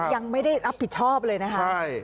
ยังไม่ได้รับผิดชอบเลยนะคะ